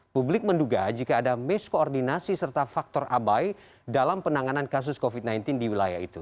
publik menduga jika ada miskoordinasi serta faktor abai dalam penanganan kasus covid sembilan belas di wilayah itu